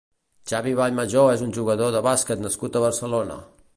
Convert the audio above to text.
Xavi Vallmajó és un jugador de bàsquet nascut a Barcelona.